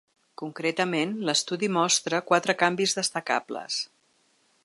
Concretament, l’estudi mostra quatre canvis destacables.